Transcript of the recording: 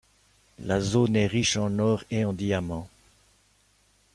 La zone est riche en or et en diamants.